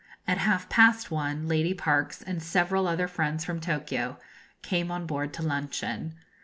At half past one Lady Parkes and several other friends from Tokio came on board to luncheon.